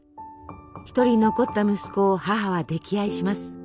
１人残った息子を母は溺愛します。